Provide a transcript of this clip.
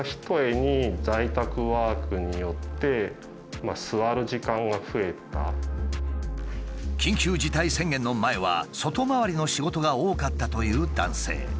企画や営業を担当する緊急事態宣言の前は外回りの仕事が多かったという男性。